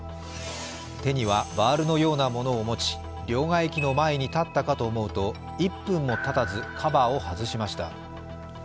手にはバールのようなものを持ち両替機の前に立ったかと思うと１分もたたず、カバーを外しました。